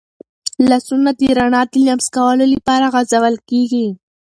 لاسونه د رڼا د لمس کولو لپاره غځول کېږي.